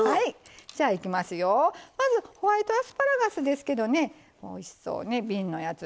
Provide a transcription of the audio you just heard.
まずホワイトアスパラガスですけどおいしそう、瓶のやつ。